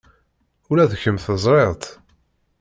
Ula d kemm teẓriḍ-t.